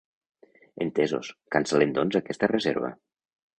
Entesos, cancel·lem doncs aquesta reserva.